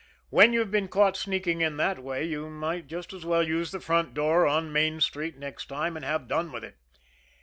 When you've been caught sneaking in that way, you might just as well use the front door on Main Street next time, and have done with it.